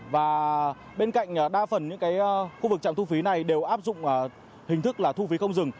và bên cạnh đa phần những khu vực trạm thu phí này đều áp dụng hình thức là thu phí không dừng